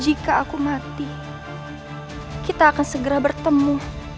jika aku mati kita akan segera bertemu